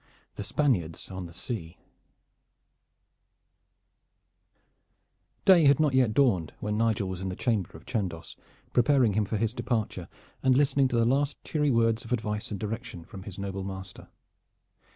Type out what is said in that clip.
XVII. THE SPANIARDS ON THE SEA Day had not yet dawned when Nigel was in the chamber of Chandos preparing him for his departure and listening to the last cheery words of advice and direction from his noble master.